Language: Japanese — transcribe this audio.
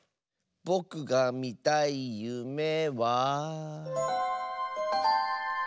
ぼくがみたいゆめは。